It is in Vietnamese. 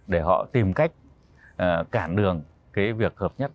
để họ tìm cách cản đường cái việc hợp nhất